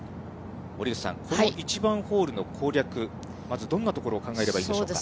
森口さん、この１番ホールの攻略、まず、どんなところを考えればいいんでしょうか。